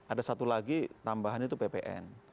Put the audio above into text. ada satu lagi tambahan itu ppn